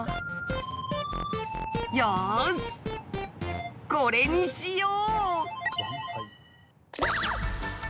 よしこれにしよう！